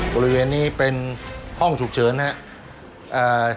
บริเวณนี้เป็นห้องฉุกเฉินนะครับ